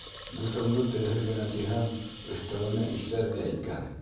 Дуҫыңды телһеҙ генә тиһәм, өҫтәүенә иҫәр ҙә икән!